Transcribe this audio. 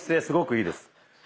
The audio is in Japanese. すごくいいです。